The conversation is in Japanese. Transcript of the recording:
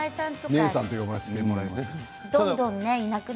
姉さんと呼ばせていただきます。